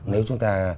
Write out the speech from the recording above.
nếu chúng ta